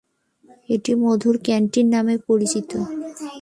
এটি '"মধুর ক্যান্টিন"' নামে অধিক পরিচিত।